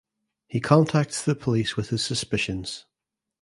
He contacts the police with his suspicions.